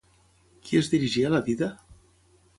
Qui es dirigia a la dida?